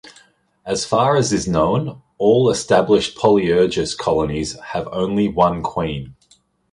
As far as is known, all established "Polyergus" colonies have only one queen.